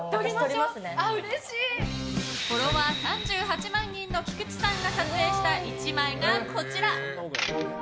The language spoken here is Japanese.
フォロワー３８万人の菊地さんが撮影した１枚がこちら。